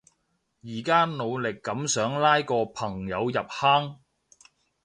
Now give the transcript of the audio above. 而家努力噉想拉個朋友入坑